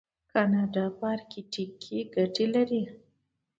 کاناډا په ارکټیک کې ګټې لري.